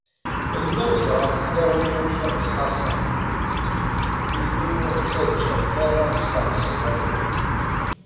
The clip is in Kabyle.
Lemmer ẓrant tlawin amek i ɣ-ttxaṣṣant, tili ur ɣ-ttaǧǧant ara s leɣṣeb am win.